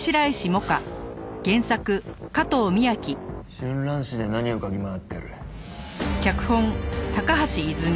春蘭市で何を嗅ぎ回ってる？